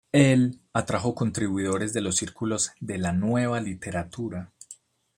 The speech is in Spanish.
Él atrajo contribuidores de los círculos de la "nueva literatura".